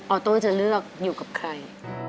อโต้จะเลือกอยู่กับใคร